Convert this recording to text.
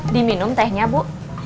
diminum tehnya bu